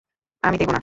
আমি দেবো না।